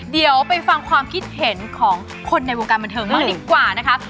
เดี๋ยวไปฟังความคิดเห็นของคนในวงการบันเทิงบ้างดีกว่านะคะ